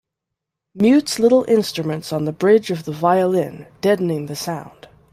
Mutes little instruments on the bridge of the violin, deadening the sound.